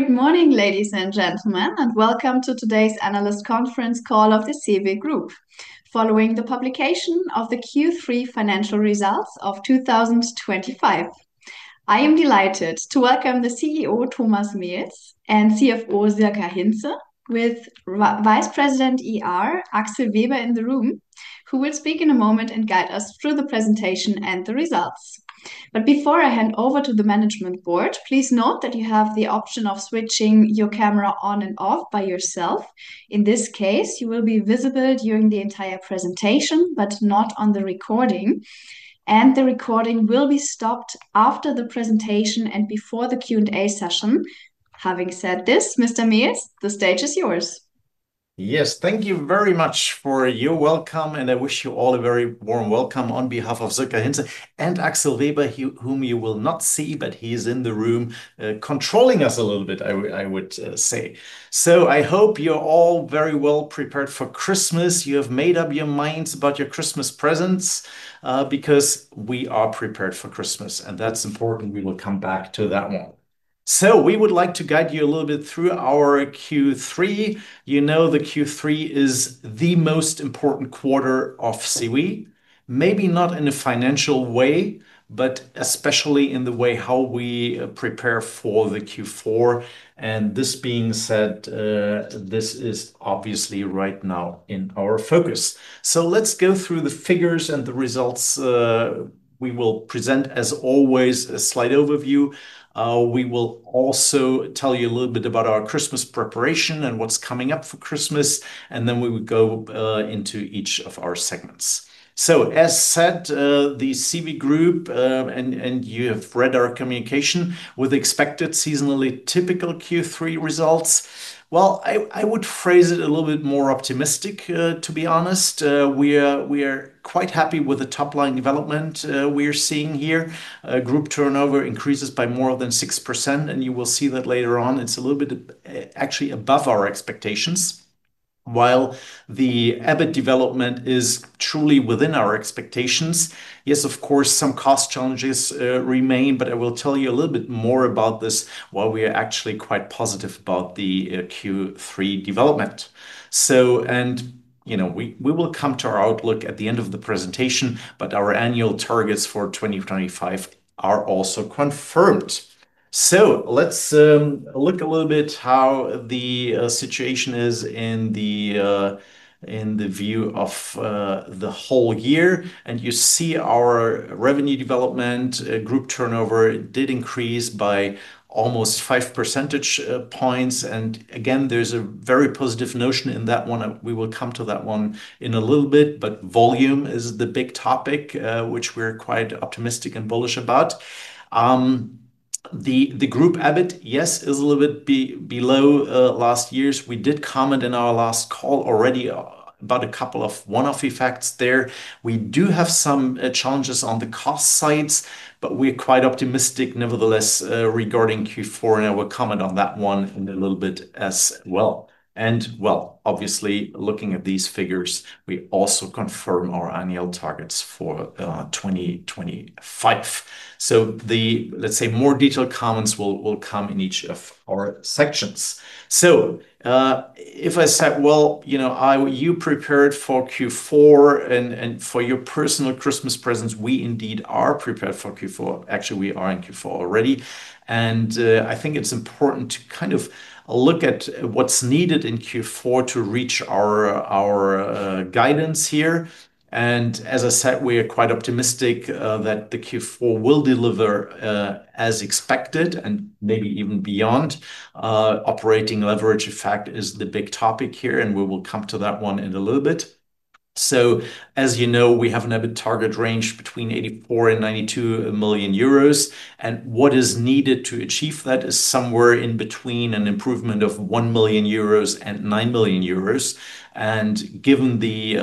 Good morning, ladies and gentlemen, and welcome to today's Analyst Conference Call of the CEWE Group, following the publication of the Q3 financial results of 2025. I am delighted to welcome the CEO, Thomas Mehls, and CFO, Sirka Hintze, with Vice President IR Axel Weber, in the room, who will speak in a moment and guide us through the presentation and the results. Before I hand over to the management board, please note that you have the option of switching your camera on and off by yourself. In this case, you will be visible during the entire presentation, but not on the recording. The recording will be stopped after the presentation and before the Q&A session. Having said this, Mr. Mehls, the stage is yours. Yes, thank you very much for your welcome, and I wish you all a very warm welcome on behalf of Sirka Hintze and Axel Weber, whom you will not see, but he is in the room controlling us a little bit, I would say. I hope you're all very well prepared for Christmas. You have made up your minds about your Christmas presents, because we are prepared for Christmas, and that's important. We will come back to that one. We would like to guide you a little bit through our Q3. You know, the Q3 is the most important quarter of CEWE, maybe not in a financial way, but especially in the way how we prepare for the Q4. This being said, this is obviously right now in our focus. Let's go through the figures and the results. We will present, as always, a slight overview. We will also tell you a little bit about our Christmas preparation and what's coming up for Christmas, and then we would go into each of our segments. As said, the CEWE Group, and you have read our communication, with expected seasonally typical Q3 results. I would phrase it a little bit more optimistic, to be honest. We are quite happy with the top-line development we are seeing here. Group turnover increases by more than 6%, and you will see that later on. It's a little bit actually above our expectations, while the EBIT development is truly within our expectations. Yes, of course, some cost challenges remain, but I will tell you a little bit more about this while we are actually quite positive about the Q3 development. You know, we will come to our outlook at the end of the presentation, but our annual targets for 2025 are also confirmed. Let's look a little bit at how the situation is in the view of the whole year. You see our revenue development, group turnover did increase by almost five percentages points. Again, there is a very positive notion in that one. We will come to that one in a little bit, but volume is the big topic, which we are quite optimistic and bullish about. The group EBIT, yes, is a little bit below last year's. We did comment in our last call already about a couple of one-off effects there. We do have some challenges on the cost sides, but we are quite optimistic nevertheless regarding Q4, and I will comment on that one in a little bit as well. Obviously, looking at these figures, we also confirm our annual targets for 2025. Let's say more detailed comments will come in each of our sections. If I said, you know, are you prepared for Q4 and for your personal Christmas presents? We indeed are prepared for Q4. Actually, we are in Q4 already. I think it's important to kind of look at what's needed in Q4 to reach our guidance here. As I said, we are quite optimistic that Q4 will deliver as expected and maybe even beyond. Operating leverage, in fact, is the big topic here, and we will come to that one in a little bit. As you know, we have an EBIT target range between 84 million and 92 million euros. What is needed to achieve that is somewhere in between an improvement of 1 million euros and 9 million euros. Given the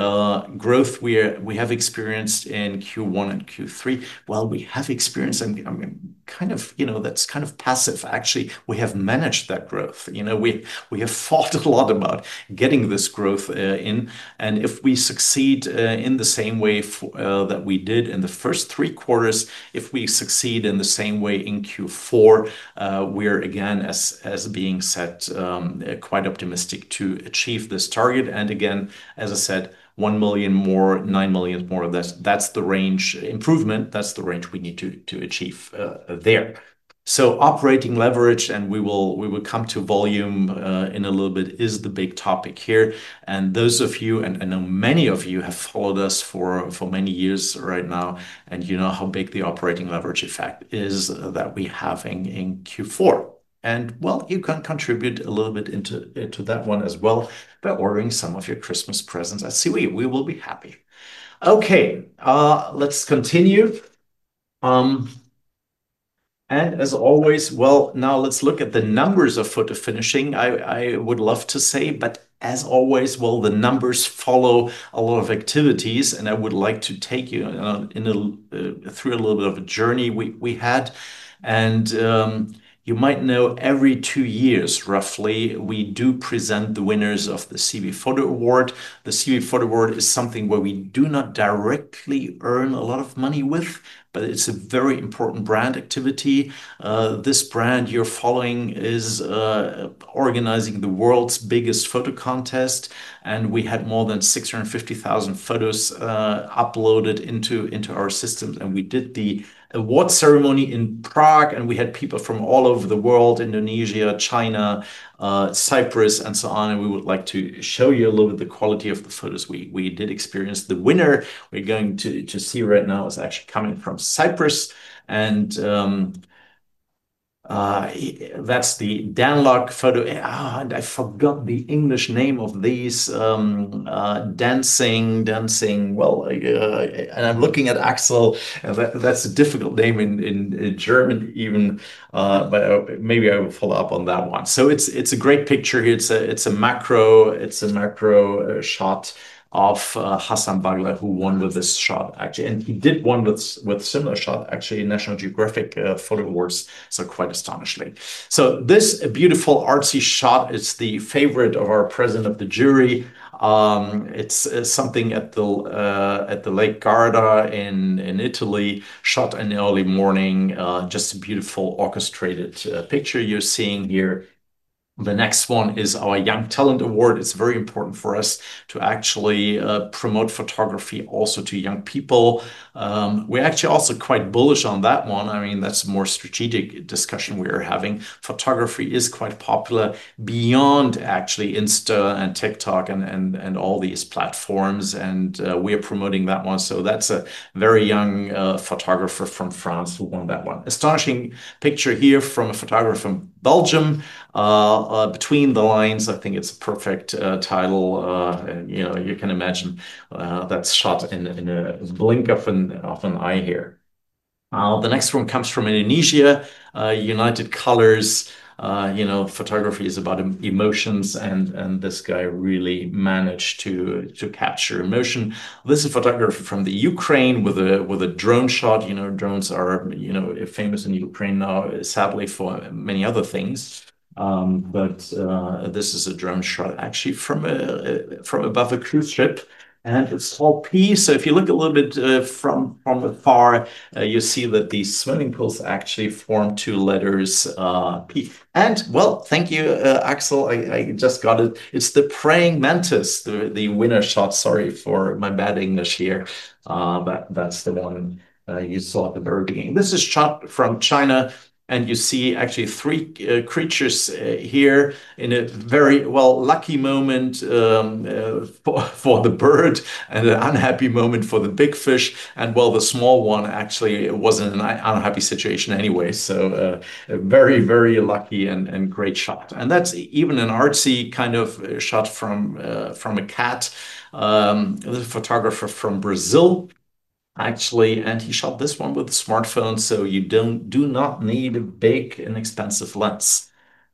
growth we have experienced in Q1 and Q3, we have experienced, and kind of, you know, that is kind of passive, actually. We have managed that growth. You know, we have fought a lot about getting this growth in. If we succeed in the same way that we did in the first three quarters, if we succeed in the same way in Q4, we are again, as being said, quite optimistic to achieve this target. Again, as I said, 1 million more, 9 million more, that is the range improvement. That is the range we need to achieve there. Operating leverage, and we will come to volume in a little bit, is the big topic here. Those of you, and I know many of you have followed us for many years right now, you know how big the operating leverage effect is that we have in Q4. You can contribute a little bit into that one as well by ordering some of your Christmas presents at CEWE. We will be happy. Okay, let's continue. As always, now let's look at the numbers of photo finishing, I would love to say, but as always, the numbers follow a lot of activities, and I would like to take you through a little bit of a journey we had. You might know, every two years, roughly, we do present the winners of the CEWE Photo Award. The CEWE Photo Award is something where we do not directly earn a lot of money with, but it is a very important brand activity. This brand you're following is organizing the world's biggest photo contest, and we had more than 650,000 photos uploaded into our systems. We did the award ceremony in Prague, and we had people from all over the world: Indonesia, China, Cyprus, and so on. We would like to show you a little bit of the quality of the photos we did experience. The winner we're going to see right now is actually coming from Cyprus. That's the Dan Lok photo. I forgot the English name of these dancing, dancing, and I'm looking at Axel. That's a difficult name in German, even, but maybe I will follow up on that one. It is a great picture here. It's a macro, it's a macro shot of Hassan Bagler, who won with this shot, actually. He did one with a similar shot, actually, in National Geographic Photo Awards, so quite astonishing. This beautiful artsy shot is the favorite of our present of the jury. It's something at the Lake Garda in Italy, shot in the early morning. Just a beautiful orchestrated picture you're seeing here. The next one is our Young Talent Award. It's very important for us to actually promote photography also to young people. We're actually also quite bullish on that one. I mean, that's a more strategic discussion we are having. Photography is quite popular beyond, actually, Insta and TikTok and all these platforms, and we are promoting that one. That's a very young photographer from France who won that one. Astonishing picture here from a photographer from Belgium. Between the lines, I think it's a perfect title. You can imagine that's shot in a blink of an eye here. The next one comes from Indonesia. United Colors. You know, photography is about emotions, and this guy really managed to capture emotion. This is a photograph from Ukraine with a drone shot. You know, drones are famous in Ukraine now, sadly, for many other things. This is a drone shot, actually, from above a cruise ship, and it's called P. If you look a little bit from afar, you see that these swimming pools actually form two letters P. Thank you, Axel. I just got it. It's the praying mantis, the winner shot. Sorry for my bad English here, but that's the one you saw at the very beginning. This is shot from China, and you see actually three creatures here in a very, well, lucky moment for the bird and an unhappy moment for the big fish. The small one actually was in an unhappy situation anyway. Very, very lucky and great shot. That is even an artsy kind of shot from a cat. This is a photographer from Brazil, actually, and he shot this one with a smartphone, so you do not need a big and expensive lens.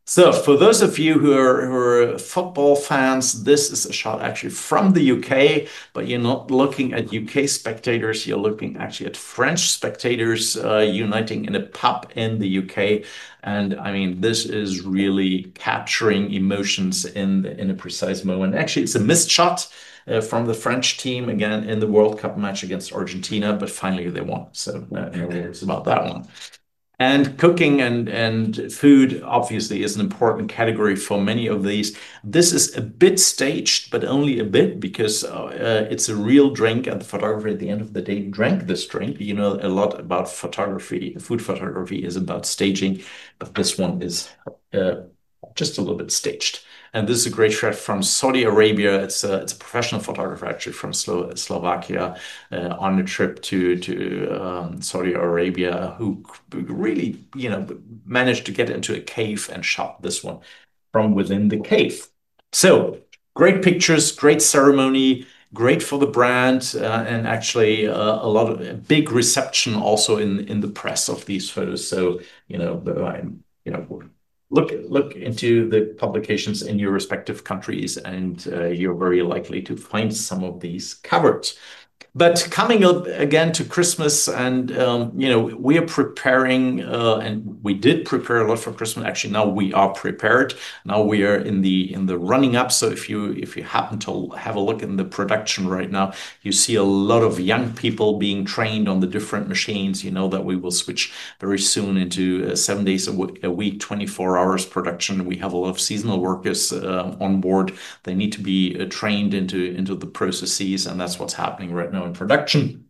For those of you who are football fans, this is a shot actually from the U.K., but you're not looking at U.K. spectators. You're looking actually at French spectators uniting in a pub in the U.K. I mean, this is really capturing emotions in a precise moment. Actually, it's a missed shot from the French team, again, in the World Cup match against Argentina, but finally they won. It's about that one. Cooking and food, obviously, is an important category for many of these. This is a bit staged, but only a bit, because it's a real drink, and the photographer at the end of the day drank this drink. You know a lot about photography. Food photography is about staging, but this one is just a little bit staged. This is a great shot from Saudi Arabia. It's a professional photographer, actually, from Slovakia on a trip to Saudi Arabia, who really, you know, managed to get into a cave and shot this one from within the cave. Great pictures, great ceremony, great for the brand, and actually a lot of big reception also in the press of these photos. You know, look into the publications in your respective countries, and you're very likely to find some of these covered. Coming up again to Christmas, and you know, we are preparing, and we did prepare a lot for Christmas. Actually, now we are prepared. Now we are in the running up. If you happen to have a look in the production right now, you see a lot of young people being trained on the different machines. You know that we will switch very soon into seven days a week, 24 hours production. We have a lot of seasonal workers on board. They need to be trained into the processes, and that's what's happening right now in production.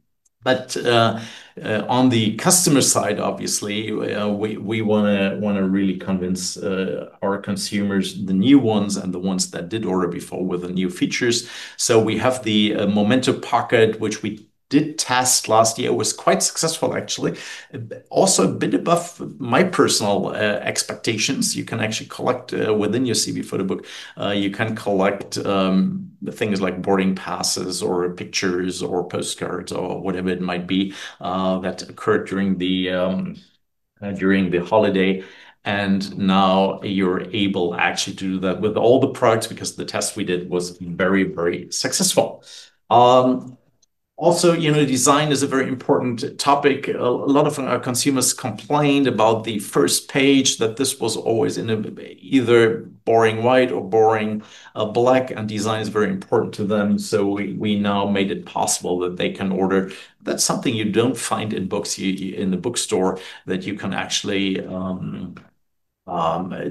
On the customer side, obviously, we want to really convince our consumers, the new ones and the ones that did order before, with the new features. We have the Momento Pocket, which we did test last year. It was quite successful, actually, also a bit above my personal expectations. You can actually collect within your CEWE Photo Book, you can collect things like boarding passes or pictures or postcards or whatever it might be that occurred during the holiday. Now you're able actually to do that with all the products because the test we did was very, very successful. Also, you know, design is a very important topic. A lot of our consumers complained about the first page, that this was always in either boring white or boring black, and design is very important to them. We now made it possible that they can order. That's something you don't find in books in the bookstore, that you can actually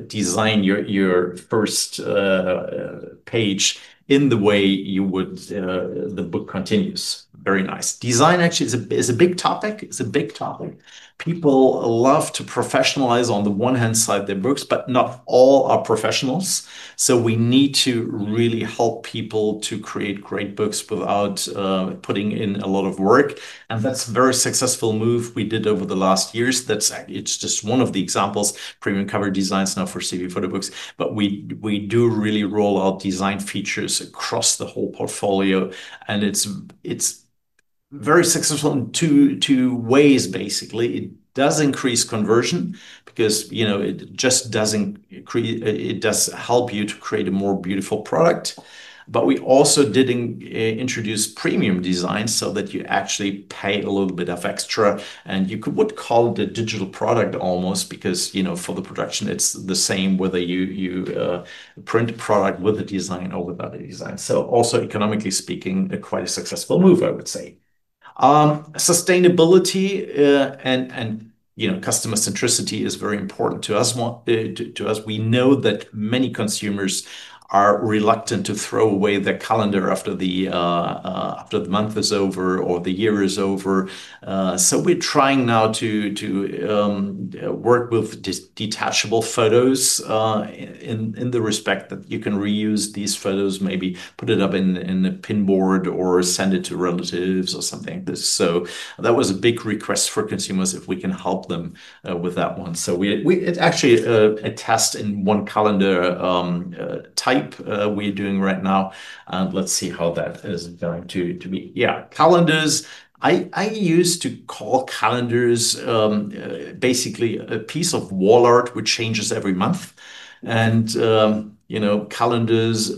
design your first page in the way you would the book continues. Very nice. Design actually is a big topic. It's a big topic. People love to professionalize on the one-hand side of their books, but not all are professionals. You know, we need to really help people to create great books without putting in a lot of work. That's a very successful move we did over the last years. It's just one of the examples. Premium cover designs now for CEWE Photo Books. We do really roll out design features across the whole portfolio, and it's very successful in two ways, basically. It does increase conversion because, you know, it just doesn't create it does help you to create a more beautiful product. We also did introduce premium designs so that you actually pay a little bit of extra, and you would call it a digital product almost because, you know, for the production, it's the same whether you print a product with a design or without a design. Also, economically speaking, quite a successful move, I would say. Sustainability and, you know, customer centricity is very important to us. We know that many consumers are reluctant to throw away their calendar after the month is over or the year is over. We are trying now to work with detachable photos in the respect that you can reuse these photos, maybe put it up in a pinboard or send it to relatives or something like this. That was a big request for consumers if we can help them with that one. It's actually a test in one calendar type we're doing right now. Let's see how that is going to be. Yeah, calendars. I used to call calendars basically a piece of wall art which changes every month. You know, calendars,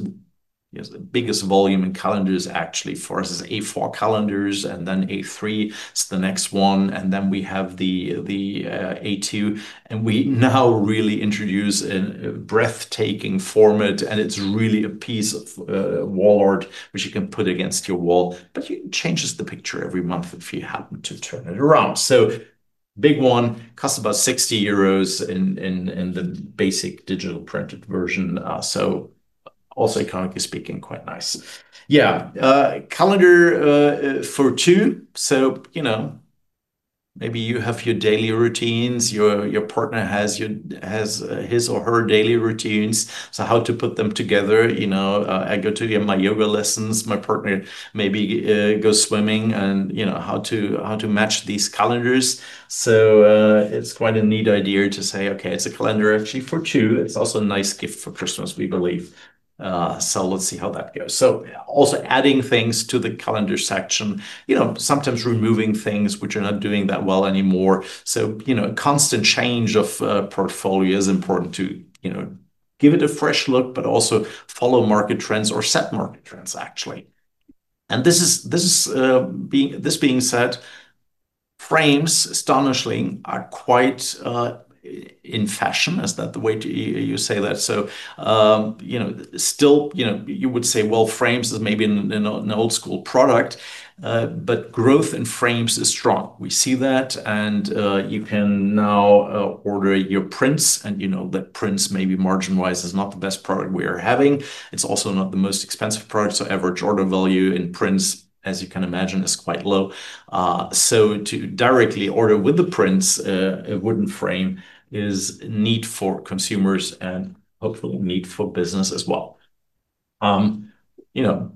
the biggest volume in calendars actually for us is A4 calendars, and then A3 is the next one. Then we have the A2. We now really introduce a breathtaking format, and it's really a piece of wall art which you can put against your wall, but it changes the picture every month if you happen to turn it around. Big one, costs about 60 euros in the basic digital printed version. Also, economically speaking, quite nice. Yeah, calendar for two. You know, maybe you have your daily routines, your partner has his or her daily routines. How to put them together, you know, I go to my yoga lessons, my partner maybe goes swimming, and, you know, how to match these calendars. It's quite a neat idea to say, okay, it's a calendar actually for two. It's also a nice gift for Christmas, we believe. Let's see how that goes. Also adding things to the calendar section, you know, sometimes removing things which are not doing that well anymore. You know, a constant change of portfolio is important to, you know, give it a fresh look, but also follow market trends or set market trends, actually. This being said, frames, astonishing, are quite in fashion. Is that the way you say that? You know, still, you know, you would say, well, frames is maybe an old-school product, but growth in frames is strong. We see that, and you can now order your prints, and you know that prints maybe marginalized is not the best product we are having. It's also not the most expensive product. Average order value in prints, as you can imagine, is quite low. To directly order with the prints, a wooden frame is neat for consumers and hopefully neat for business as well. You know,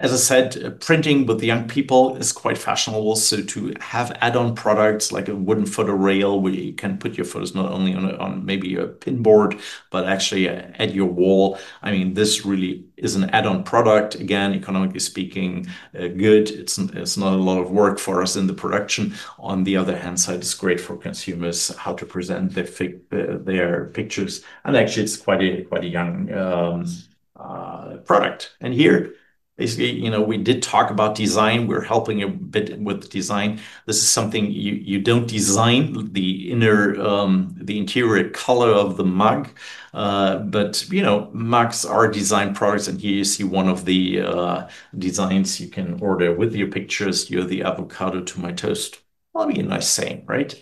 as I said, printing with young people is quite fashionable. To have add-on products like a wooden photo rail where you can put your photos not only on maybe a pinboard, but actually at your wall, I mean, this really is an add-on product. Again, economically speaking, good. It's not a lot of work for us in the production. On the other hand side, it's great for consumers how to present their pictures. Actually, it's quite a young product. Here, basically, you know, we did talk about design. We're helping a bit with design. This is something you don't design, the interior color of the mug. But, you know, mugs are design products. Here you see one of the designs you can order with your pictures. You have the avocado to my toast. That'll be a nice saying, right?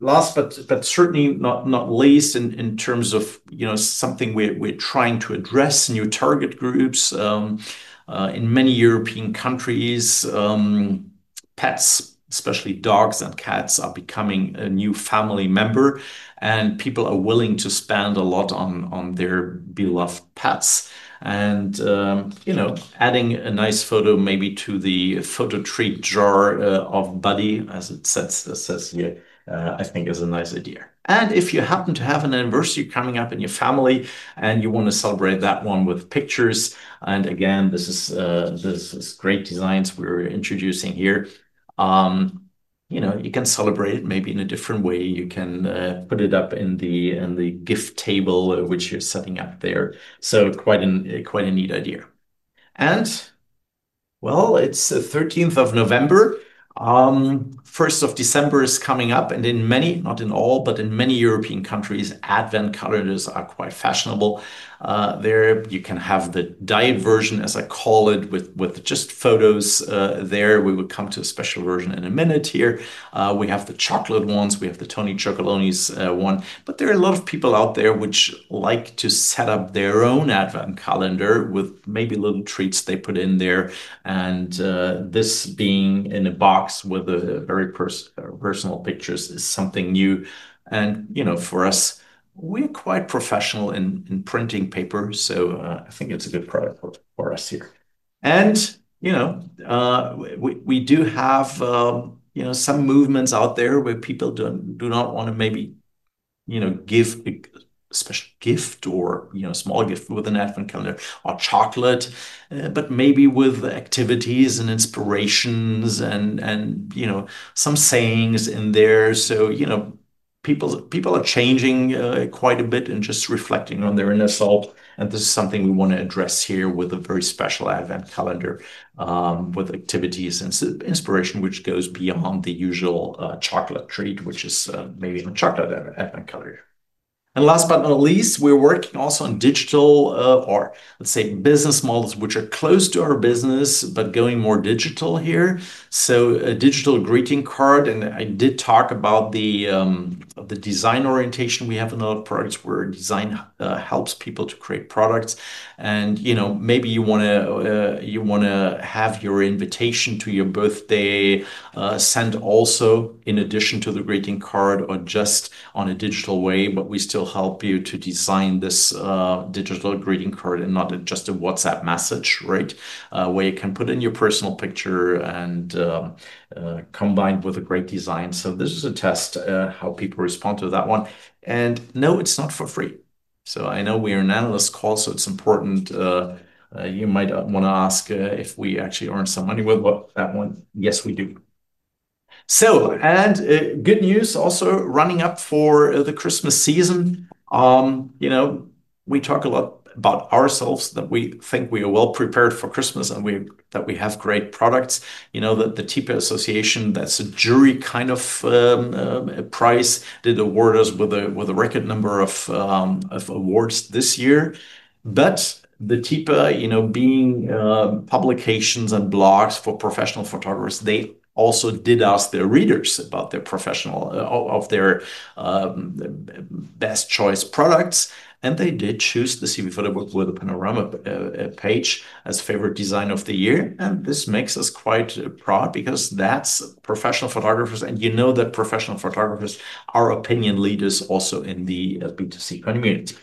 Last, but certainly not least in terms of, you know, something we're trying to address, new target groups. In many European countries, pets, especially dogs and cats, are becoming a new family member, and people are willing to spend a lot on their beloved pets. You know, adding a nice photo maybe to the photo tree jar of Buddy, as it says here, I think is a nice idea. If you happen to have an anniversary coming up in your family and you want to celebrate that one with pictures, and again, this is great designs we're introducing here. You know, you can celebrate it maybe in a different way. You can put it up in the gift table which you're setting up there. Quite a neat idea. It is the 13th of November. 1st of December is coming up, and in many, not in all, but in many European countries, advent calendars are quite fashionable. There you can have the diet version, as I call it, with just photos there. We will come to a special version in a minute here. We have the chocolate ones. We have the Tony Chocolonely one. There are a lot of people out there which like to set up their own advent calendar with maybe little treats they put in there. This being in a box with very personal pictures is something new. You know, for us, we're quite professional in printing paper. I think it's a good product for us here. You know, we do have, you know, some movements out there where people do not want to maybe, you know, give a special gift or, you know, a small gift with an advent calendar or chocolate, but maybe with activities and inspirations and, you know, some sayings in there. You know, people are changing quite a bit and just reflecting on their inner self. This is something we want to address here with a very special Advent calendar with activities and inspiration which goes beyond the usual chocolate treat, which is maybe a chocolate Advent calendar. Last but not least, we're working also on digital or, let's say, business models which are close to our business, but going more digital here. A digital greeting card. I did talk about the design orientation we have in a lot of products where design helps people to create products. You know, maybe you want to have your invitation to your birthday sent also in addition to the greeting card or just on a digital way, but we still help you to design this digital greeting card and not just a WhatsApp message, right? Where you can put in your personal picture and combine it with a great design. This is a test how people respond to that one. No, it's not for free. I know we are an analyst call, so it's important. You might want to ask if we actually earn some money with that one. Yes, we do. Good news also running up for the Christmas season. You know, we talk a lot about ourselves that we think we are well prepared for Christmas and that we have great products. You know, the TEPA Association, that's a jury kind of prize, did award us with a record number of awards this year. The TEPA, you know, being publications and blogs for professional photographers, they also did ask their readers about their professional of their best choice products. They did choose the CEWE Photo Book with a panorama page as favorite design of the year. This makes us quite proud because that's professional photographers. You know that professional photographers are opinion leaders also in the B2C community.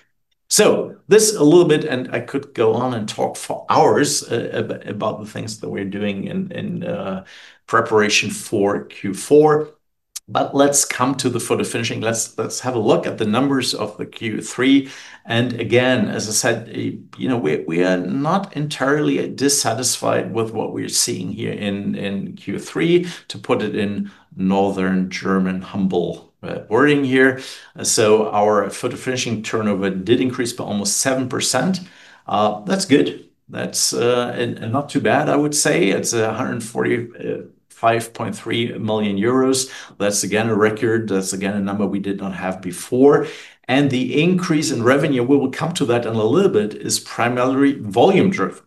This a little bit, and I could go on and talk for hours about the things that we're doing in preparation for Q4. Let's come to the photo finishing. Let's have a look at the numbers of the Q3. Again, as I said, you know, we are not entirely dissatisfied with what we're seeing here in Q3, to put it in Northern German humble wording here. Our photo finishing turnover did increase by almost 7%. That's good. That's not too bad, I would say. It is 145.3 million euros. That's again a record. That's again a number we did not have before. The increase in revenue, we will come to that in a little bit, is primarily volume driven.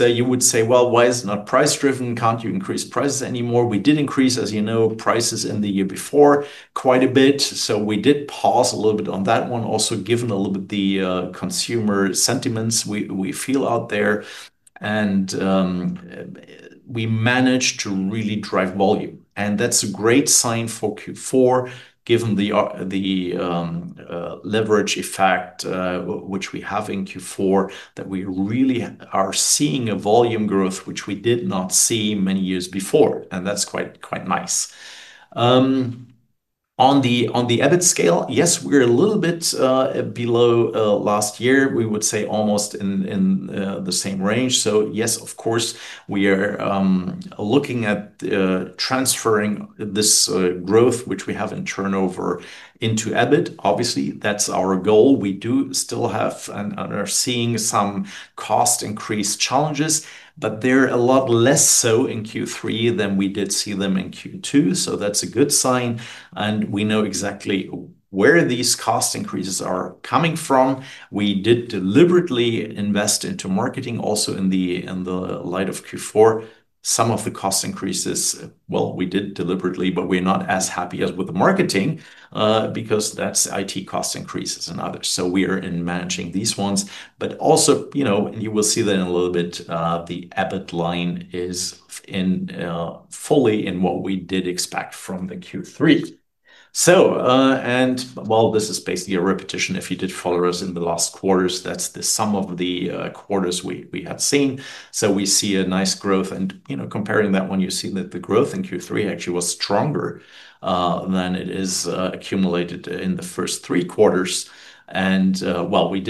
You would say, well, why is it not price driven? Can't you increase prices anymore? We did increase, as you know, prices in the year before quite a bit. We did pause a little bit on that one, also given a little bit the consumer sentiments we feel out there. We managed to really drive volume. That is a great sign for Q4, given the leverage effect which we have in Q4, that we really are seeing a volume growth which we did not see many years before. That is quite nice. On the EBIT scale, yes, we are a little bit below last year. We would say almost in the same range. Yes, of course, we are looking at transferring this growth which we have in turnover into EBIT. Obviously, that is our goal. We do still have and are seeing some cost increase challenges, but they're a lot less so in Q3 than we did see them in Q2. That is a good sign. We know exactly where these cost increases are coming from. We did deliberately invest into marketing also in the light of Q4. Some of the cost increases, we did deliberately, but we're not as happy as with the marketing because that is IT cost increases and others. We are managing these ones. Also, you know, you will see that in a little bit, the EBIT line is fully in what we did expect from the Q3. While this is basically a repetition, if you did follow us in the last quarters, that is the sum of the quarters we had seen. We see a nice growth. You know, comparing that one, you see that the growth in Q3 actually was stronger than it is accumulated in the 1st three quarters. We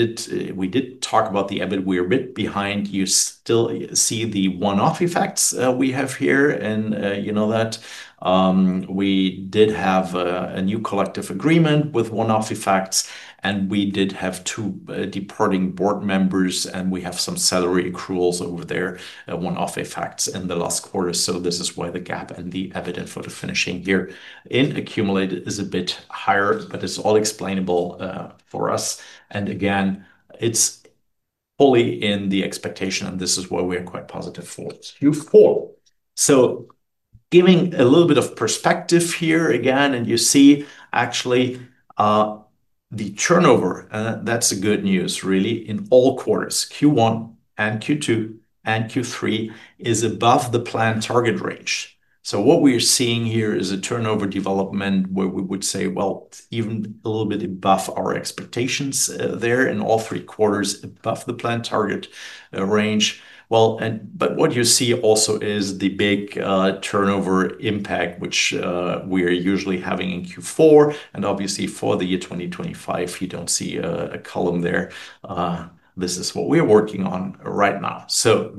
did talk about the EBIT. We're a bit behind. You still see the one-off effects we have here. You know that we did have a new collective agreement with one-off effects. We did have two departing board members. We have some salary accruals over there, one-off effects in the last quarter. This is why the gap in the EBIT and photo finishing here in accumulated is a bit higher, but it's all explainable for us. Again, it's fully in the expectation. This is why we are quite positive for Q4. Giving a little bit of perspective here again, and you see actually the turnover, and that's the good news really in all quarters, Q1 and Q2 and Q3 is above the planned target range. What we are seeing here is a turnover development where we would say, well, it's even a little bit above our expectations there in all three quarters above the planned target range. What you see also is the big turnover impact which we are usually having in Q4. Obviously for the year 2025, if you don't see a column there, this is what we are working on right now.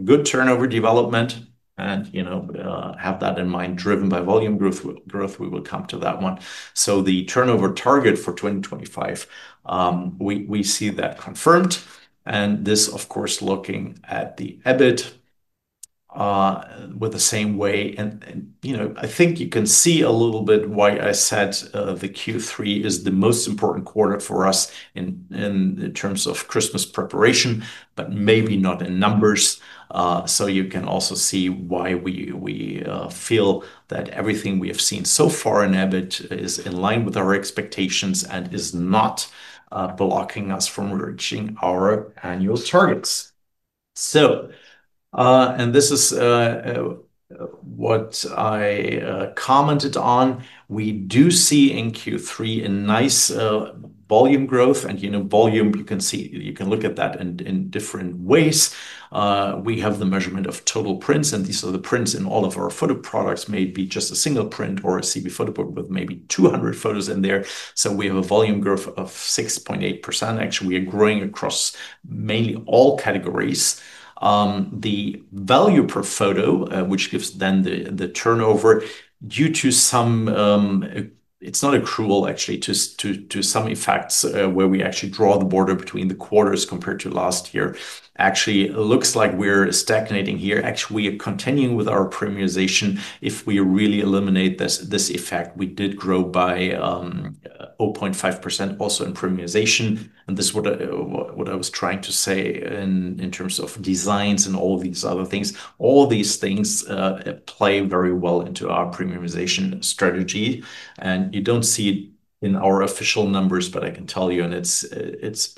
Good turnover development. And, you know, have that in mind, driven by volume growth, we will come to that one. The turnover target for 2025, we see that confirmed. This, of course, looking at the EBIT in the same way. You know, I think you can see a little bit why I said Q3 is the most important quarter for us in terms of Christmas preparation, but maybe not in numbers. You can also see why we feel that everything we have seen so far in EBIT is in line with our expectations and is not blocking us from reaching our annual targets. This is what I commented on. We do see in Q3 a nice volume growth. You know, volume, you can see, you can look at that in different ways. We have the measurement of total prints. These are the prints in all of our photo products, maybe just a single print or a CEWE Photo Book with maybe 200 photos in there. We have a volume growth of 6.8%. Actually, we are growing across mainly all categories. The value per photo, which gives then the turnover due to some, it's not accrual actually to some effects where we actually draw the border between the quarters compared to last year. Actually, it looks like we're stagnating here. Actually, we are continuing with our premiumization. If we really eliminate this effect, we did grow by 0.5% also in premiumization. This is what I was trying to say in terms of designs and all these other things. All these things play very well into our premiumization strategy. You do not see it in our official numbers, but I can tell you, and it's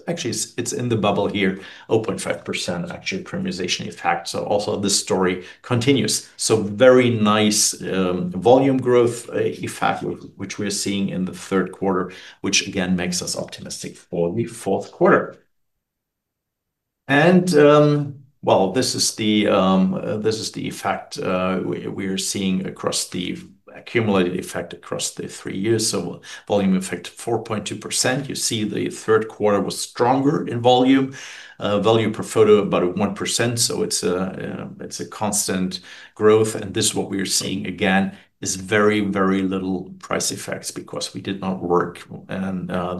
actually, it's in the bubble here, 0.5% actually premiumization effect. Also this story continues. Very nice volume growth effect, which we are seeing in the third quarter, which again makes us optimistic for the fourth quarter. This is the effect we are seeing across the accumulated effect across the three years. Volume effect 4.2%. You see the third quarter was stronger in volume. Volume per photo about 1%. It is a constant growth. What we are seeing again is very, very little price effects because we did not work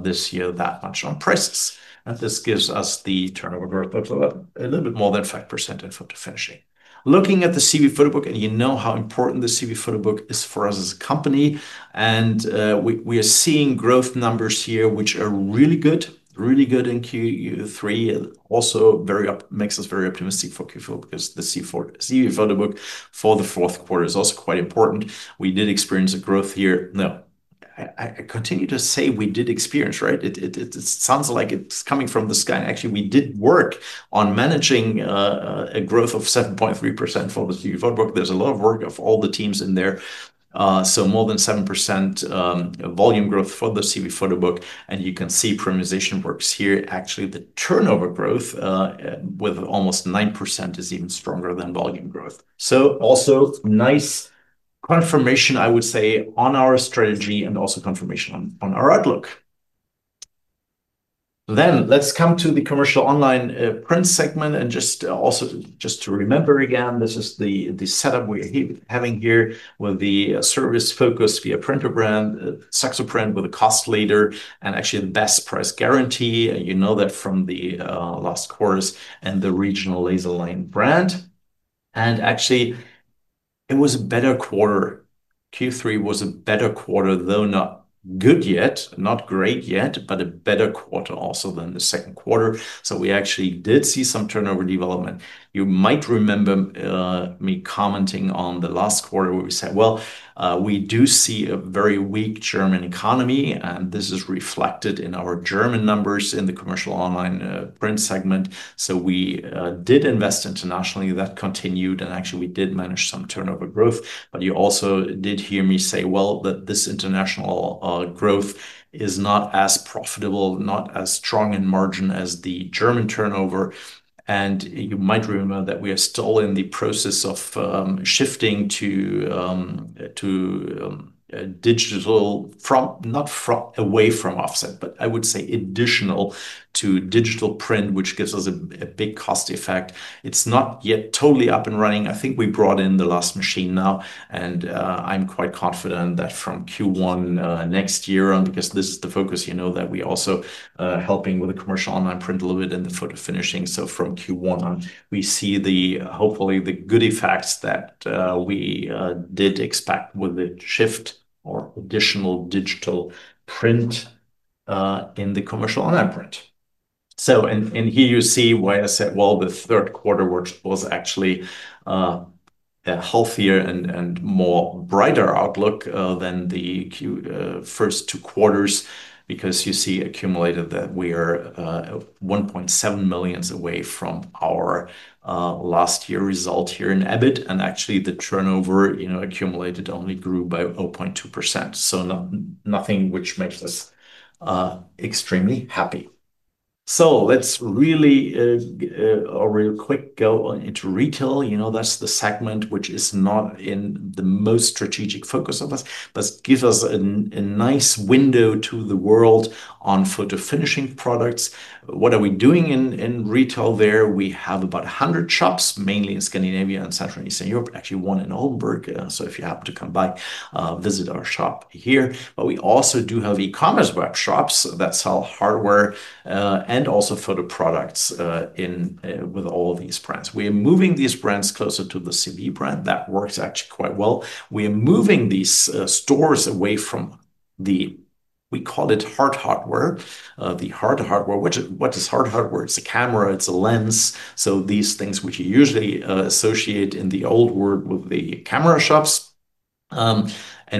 this year that much on prices. This gives us the turnover growth of a little bit more than 5% in photo finishing. Looking at the CEWE Photo Book, and you know how important the CEWE Photo Book is for us as a company. We are seeing growth numbers here, which are really good, really good in Q3. Also very up makes us very optimistic for Q4 because the CEWE Photo Book for the fourth quarter is also quite important. We did experience a growth here. No, I continue to say we did experience, right? It sounds like it's coming from the sky. Actually, we did work on managing a growth of 7.3% for the CEWE Photo Book. There's a lot of work of all the teams in there. So more than 7% volume growth for the CEWE Photo Book. And you can see premiumization works here. Actually, the turnover growth with almost 9% is even stronger than volume growth. Also nice confirmation, I would say, on our strategy and also confirmation on our outlook. Let's come to the commercial online print segment. Just also just to remember again, this is the setup we're having here with the service focus viaprinto brand, SAXOPRINT with a cost leader and actually the best price guarantee. You know that from the last course and the regional LA SERLINE brand. Actually, it was a better quarter. Q3 was a better quarter, though not good yet, not great yet, but a better quarter also than the second quarter. We actually did see some turnover development. You might remember me commenting on the last quarter where we said, you know, we do see a very weak German economy. This is reflected in our German numbers in the commercial online print segment. We did invest internationally. That continued. Actually, we did manage some turnover growth. You also did hear me say, well, that this international growth is not as profitable, not as strong in margin as the German turnover. You might remember that we are still in the process of shifting to digital, not away from offset, but I would say additional to digital print, which gives us a big cost effect. It is not yet totally up and running. I think we brought in the last machine now. I am quite confident that from Q1 next year, because this is the focus, you know, that we are also helping with the commercial online print a little bit in the photo finishing. From Q1 on, we see hopefully the good effects that we did expect with the shift or additional digital print in the commercial online print. In here, you see why I said, well, the third quarter was actually a healthier and more brighter outlook than the first two quarters because you see accumulated that we are 1.7 million away from our last year result here in EBIT. Actually, the turnover, you know, accumulated only grew by 0.2%. Nothing which makes us extremely happy. Let's really real quick go into retail. You know, that's the segment which is not in the most strategic focus of us, but gives us a nice window to the world on photo finishing products. What are we doing in retail there? We have about 100 shops, mainly in Scandinavia and Central Eastern Europe, actually one in Oldenburg. If you happen to come by, visit our shop here. We also do have e-commerce webshops. That's how hardware and also photo products in with all these brands. We are moving these brands closer to the CEWE brand. That works actually quite well. We are moving these stores away from the, we call it hard hardware, the hard hardware. What is hard hardware? It's a camera, it's a lens. These things which you usually associate in the old world with the camera shops.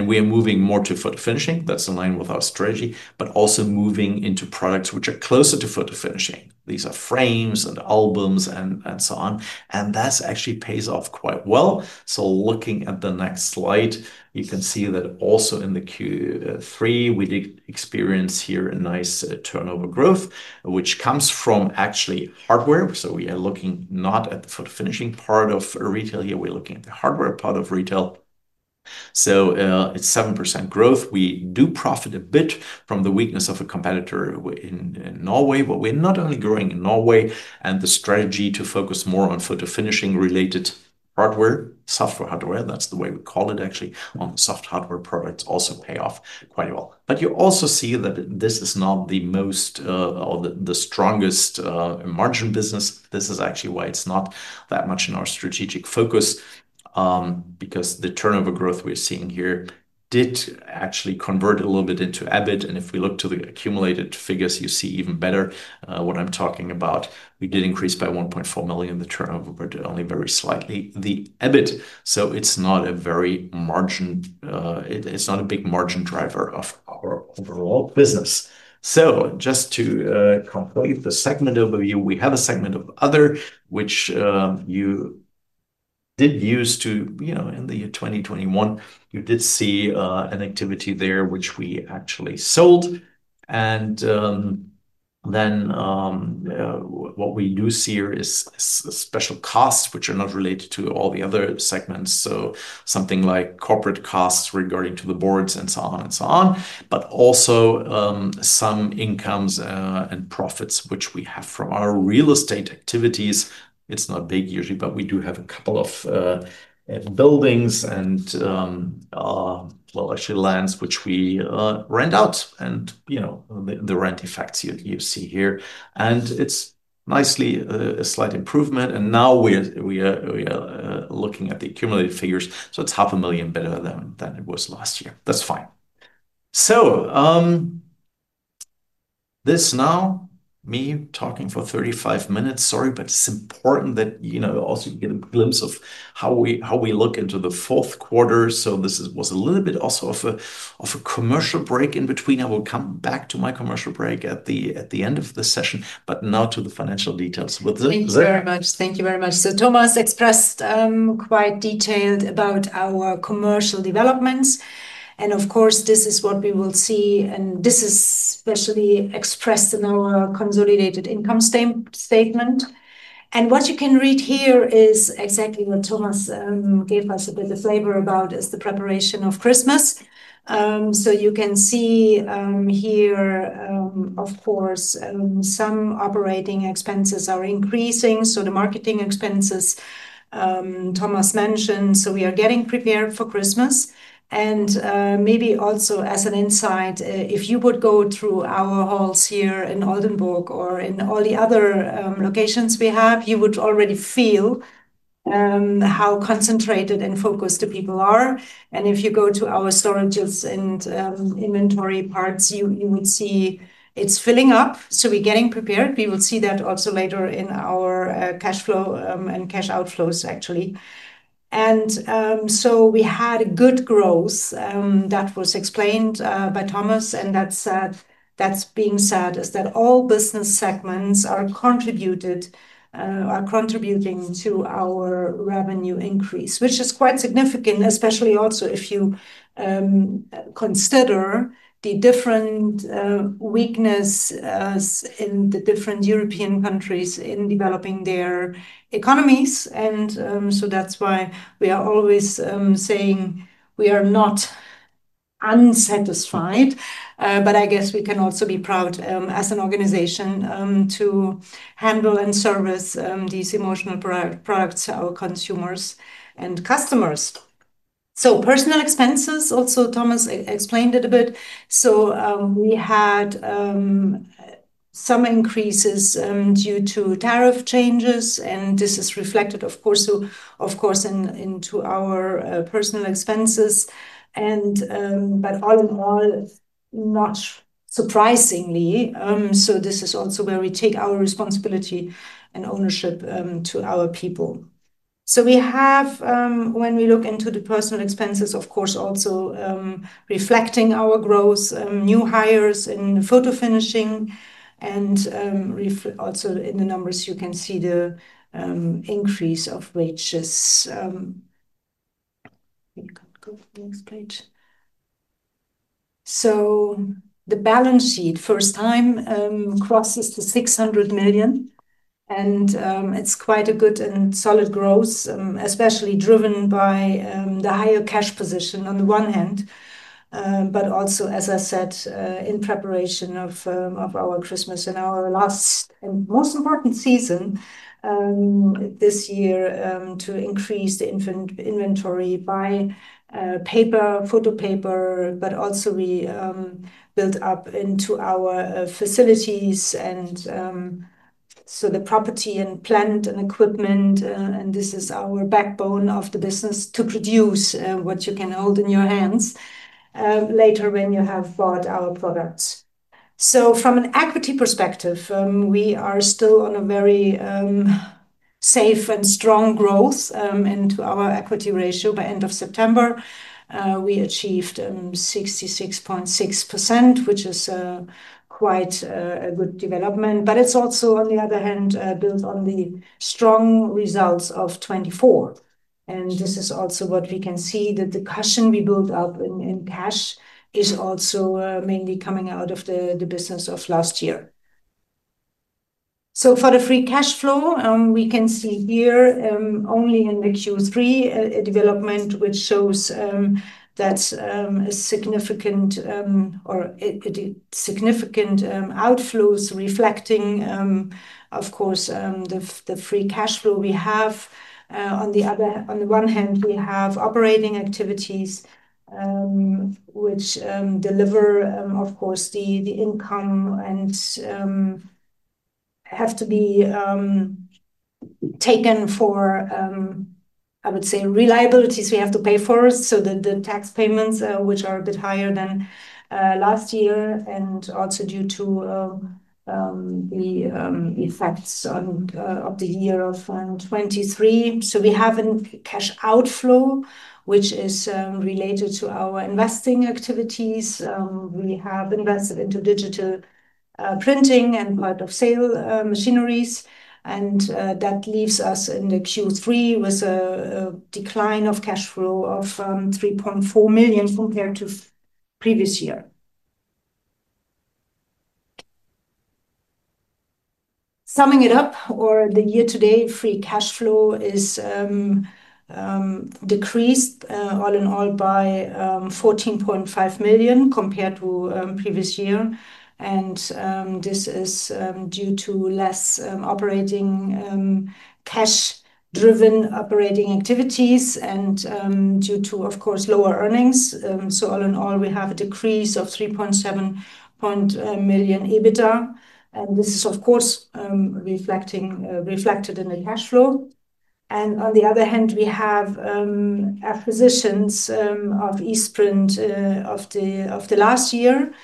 We are moving more to photo finishing. That's in line with our strategy, but also moving into products which are closer to photo finishing. These are frames and albums and so on. That actually pays off quite well. Looking at the next slide, you can see that also in the Q3, we did experience here a nice turnover growth, which comes from actually hardware. We are looking not at the photo finishing part of retail here. We're looking at the hardware part of retail. It's 7% growth. We do profit a bit from the weakness of a competitor in Norway, but we're not only growing in Norway. The strategy to focus more on photo finishing related hardware, software hardware, that's the way we call it actually, on soft hardware products also pays off quite well. You also see that this is not the most or the strongest margin business. This is actually why it's not that much in our strategic focus, because the turnover growth we're seeing here did actually convert a little bit into EBIT. If we look to the accumulated figures, you see even better what I'm talking about. We did increase by 1.4 million. The turnover was only very slightly the EBIT. It's not a very margin, it's not a big margin driver of our overall business. Just to complete the segment overview, we have a segment of other which you did use to, you know, in the year 2021, you did see an activity there which we actually sold. What we do see here is special costs which are not related to all the other segments. Something like corporate costs regarding to the boards and so on and so on, but also some incomes and profits which we have from our real estate activities. It's not big usually, but we do have a couple of buildings and, you know, actually lands which we rent out. You know, the rent effects you see here. It's nicely a slight improvement. Now we are looking at the accumulated figures. It's 500,000 better than it was last year. That's fine. This now, me talking for 35 minutes, sorry, but it's important that, you know, also you get a glimpse of how we look into the fourth quarter. This was a little bit also of a commercial break in between. I will come back to my commercial break at the end of the session, but not to the financial details. Thank you very much. Thank you very much. Thomas expressed quite detailed about our commercial developments. Of course, this is what we will see. This is especially expressed in our consolidated income statement. What you can read here is exactly what Thomas gave us a bit of flavor about, is the preparation of Christmas. You can see here, of course, some operating expenses are increasing. The marketing expenses Thomas mentioned. We are getting prepared for Christmas. Maybe also as an insight, if you would go through our halls here in Oldenburg or in all the other locations we have, you would already feel how concentrated and focused the people are. If you go to our storages and inventory parts, you would see it is filling up. We are getting prepared. We will see that also later in our cash flow and cash outflows, actually. We had a good growth that was explained by Thomas. That being said, all business segments are contributed or contributing to our revenue increase, which is quite significant, especially also if you consider the different weaknesses in the different European countries in developing their economies. That is why we are always saying we are not unsatisfied, but I guess we can also be proud as an organization to handle and service these emotional products to our consumers and customers. Personal expenses, also Thomas explained it a bit. We had some increases due to tariff changes. This is reflected, of course, in our personal expenses. All in all, not surprisingly, this is also where we take our responsibility and ownership to our people. We have, when we look into the personal expenses, also reflecting our growth, new hires in photo finishing. Also in the numbers, you can see the increase of wages. You can go to the next page. The balance sheet first time crosses the 600 million. It is quite a good and solid growth, especially driven by the higher cash position on the one hand, but also, as I said, in preparation of our Christmas and our last and most important season this year to increase the inventory by paper, photo paper, but also we built up into our facilities. The property and plant and equipment, and this is our backbone of the business to produce what you can hold in your hands later when you have bought our products. From an equity perspective, we are still on a very safe and strong growth into our equity ratio by end of September. We achieved 66.6%, which is quite a good development, but it is also on the other hand built on the strong results of 2024. This is also what we can see, the cushion we built up in cash is also mainly coming out of the business of last year. For the free cash flow, we can see here only in Q3 a development which shows that a significant or significant outflows reflecting, of course, the free cash flow we have. On the other hand, we have operating activities which deliver, of course, the income and have to be taken for, I would say, reliabilities we have to pay for. The tax payments, which are a bit higher than last year and also due to the effects of the year of 2023. We have a cash outflow, which is related to our investing activities. We have invested into digital printing and part of sale machineries. That leaves us in the Q3 with a decline of cash flow of 3.4 million compared to previous year. Summing it up, for the year to date, free cash flow is decreased all in all by 14.5 million compared to previous year. This is due to less operating cash-driven operating activities and due to, of course, lower earnings. All in all, we have a decrease of 3.7 million EBITDA. This is, of course, reflected in the cash flow. On the other hand, we have acquisitions of Eastprint of the last year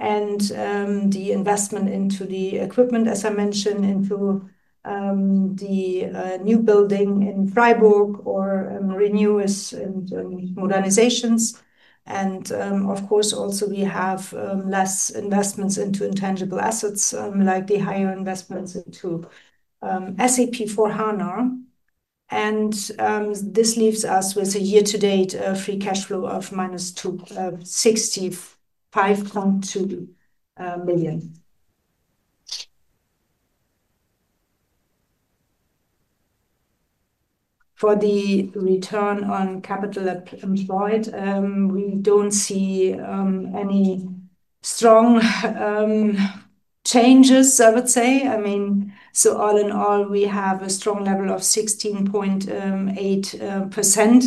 and the investment into the equipment, as I mentioned, into the new building in Freiburg or renews and modernizations. Of course, also we have less investments into intangible assets, like the higher investments into SAP for Hana. This leaves us with a year to date free cash flow of -265.2 million. For the return on capital employed, we don't see any strong changes, I would say. I mean, all in all, we have a strong level of 16.8%.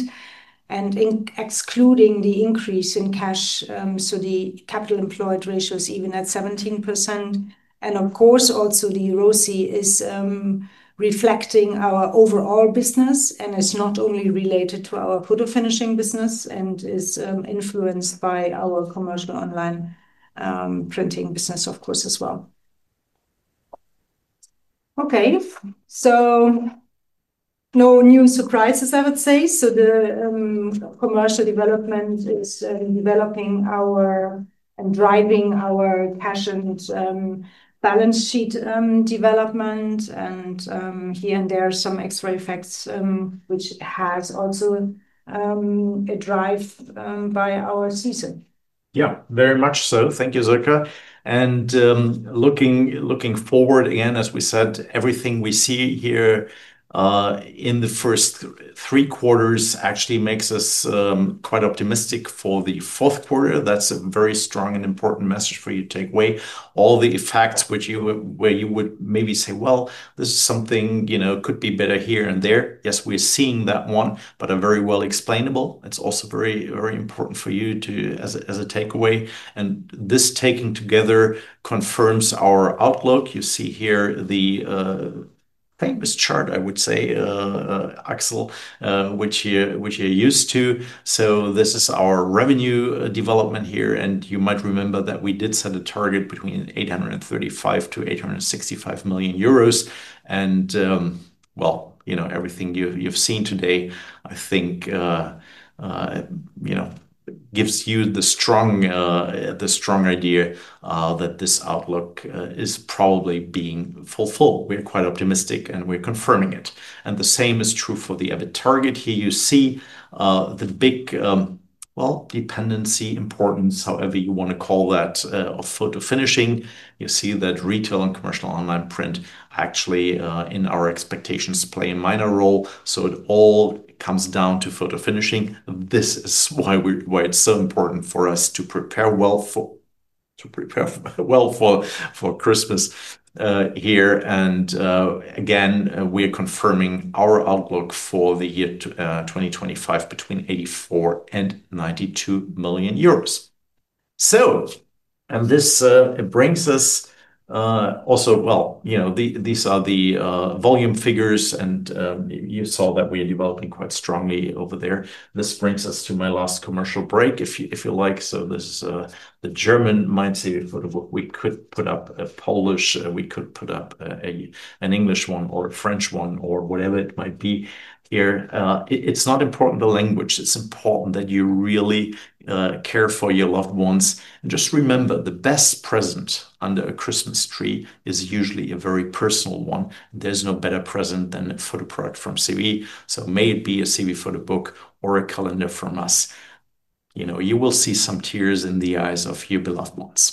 Excluding the increase in cash, the capital employed ratio is even at 17%. Of course, also the ROSI is reflecting our overall business and is not only related to our photo finishing business and is influenced by our commercial online printing business, of course, as well. Okay, no new surprises, I would say. The commercial development is developing our and driving our passioned balance sheet development. Here and there are some X-ray effects, which has also a drive by our season. Yeah, very much so. Thank you, Sirka. Looking forward again, as we said, everything we see here in the 1st three quarters actually makes us quite optimistic for the fourth quarter. That's a very strong and important message for you to take away. All the effects which you where you would maybe say, well, this is something could be better here and there. Yes, we're seeing that one, but a very well explainable. It's also very, very important for you to as a takeaway. And this taking together confirms our outlook. You see here the famous chart, I would say, Axel, which you're used to. This is our revenue development here. You might remember that we did set a target between 835 million-865 million euros. You know, everything you've seen today, I think, you know, gives you the strong idea that this outlook is probably being fulfilled. We're quite optimistic and we're confirming it. The same is true for the EBIT target. Here you see the big, well, dependency importance, however you want to call that of photo finishing. You see that retail and commercial online print actually in our expectations play a minor role. It all comes down to photo finishing. This is why it's so important for us to prepare well for Christmas here. Again, we're confirming our outlook for the year 2025 between 84 million and 92 million euros. These are the volume figures and you saw that we are developing quite strongly over there. This brings us to my last commercial break, if you like. This is the German mindset of what we could put up, a Polish, we could put up an English one or a French one or whatever it might be here. It's not important the language. It's important that you really care for your loved ones. Just remember, the best present under a Christmas tree is usually a very personal one. There's no better present than a photo product from CEWE. May it be a CEWE Photo Book or a calendar from us, you know, you will see some tears in the eyes of your beloved ones.